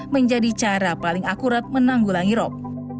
menjadi cara paling akurat menanggulangi rop